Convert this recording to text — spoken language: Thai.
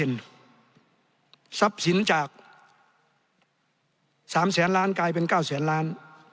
ทรัพย์สินจาก๓แสนล้านกลายเป็น๙แสนล้าน